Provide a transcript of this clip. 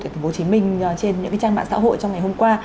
tại tp hcm trên những trang mạng xã hội trong ngày hôm qua